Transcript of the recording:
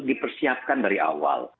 dipersiapkan dari awal